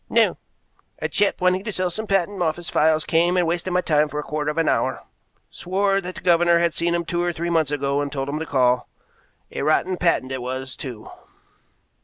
"No. A chap wanting to sell some patent office files came and wasted my time for a quarter of an hour; swore that the governor had seen him two or three months ago and told him to call. A rotten patent it was, too."